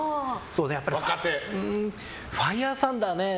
ファイヤーサンダーね。